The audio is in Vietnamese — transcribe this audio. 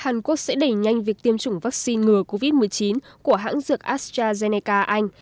hàn quốc sẽ đẩy nhanh việc tiêm chủng vaccine ngừa covid một mươi chín của hãng dược astrazeneca anh